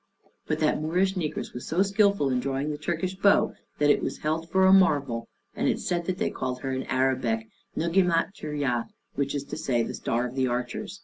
But that Moorish negress was so skilful in drawing the Turkish bow, that it was held for a marvel; and it is said that they called her in Arabic Nugueymat Turya, which is to say, the Star of the Archers.